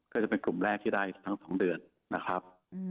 ก็จะเป็นกลุ่มแรกที่ได้ทั้ง๒เดือนนะครับ